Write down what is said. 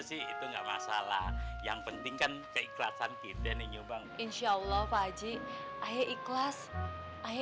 sih itu enggak masalah yang penting kan keikhlasan kita nyumbang insyaallah pak aji ayo ikhlas ayo